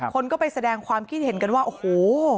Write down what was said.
คนก็ไปแสดงความคิดเห็นกันว่าโอ้โห